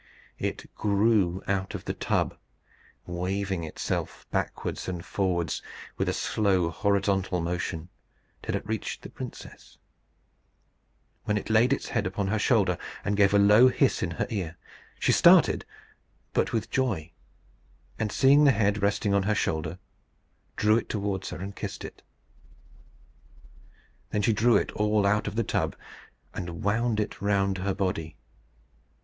It grew out of the tub, waving itself backwards and forwards with a slow horizontal motion, till it reached the princess, when it laid its head upon her shoulder, and gave a low hiss in her ear. She started but with joy; and seeing the head resting on her shoulder, drew it towards her and kissed it. Then she drew it all out of the tub, and wound it round her body.